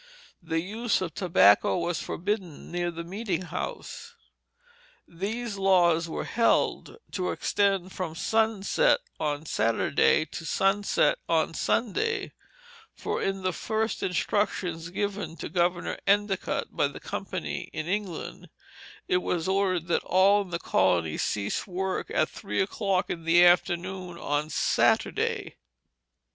The use of tobacco was forbidden near the meeting house. These laws were held to extend from sunset on Saturday to sunset on Sunday; for in the first instructions given to Governor Endicott by the company in England, it was ordered that all in the colony cease work at three o'clock in the afternoon on Saturday.